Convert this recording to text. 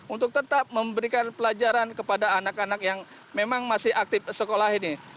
untuk tetap memberikan pelajaran kepada anak anak yang memang masih aktif sekolah ini